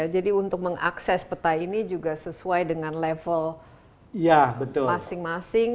jadi untuk mengakses peta ini juga sesuai dengan level masing masing